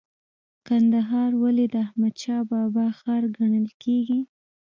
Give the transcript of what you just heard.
کندهار ولې د احمد شاه بابا ښار بلل کیږي؟